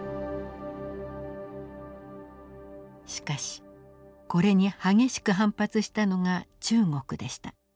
しかしこれに激しく反発したのが中国でした。